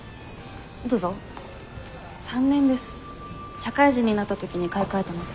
社会人になった時に買い替えたので。